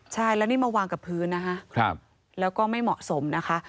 ใช่แล้วนี่มาวางกับพื้นนะคะแล้วก็ไม่เหมาะสมนะคะ